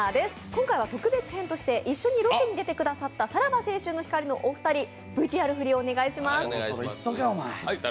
今回は特別編として一緒にロケに行ってくださったさらば青春の光のお二人、ＶＴＲ振り、お願いします。